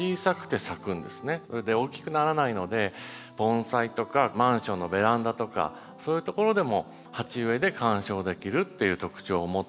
それで大きくならないので盆栽とかマンションのベランダとかそういう所でも鉢植えで観賞できるっていう特徴を持っているんですよ。